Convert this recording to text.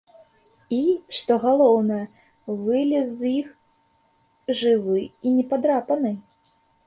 І, што галоўнае, вылез з іх жывы і непадрапаны!